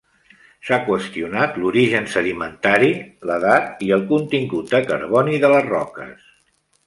S'ha qüestionat l'origen sedimentari, l'edat i el contingut de carboni de les roques.